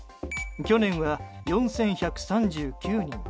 去年は４１３９人。